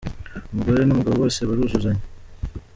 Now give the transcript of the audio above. Umugore n ‘umugabo bose baruzuzanya.